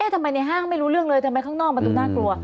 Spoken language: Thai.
ทำไมในห้างไม่รู้เรื่องเลยทำไมข้างนอกมันดูน่ากลัว